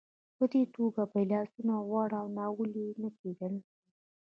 په دې توګه به یې لاسونه غوړ او ناولې نه کېدل.